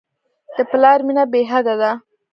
د پلار مینه بېحده ده.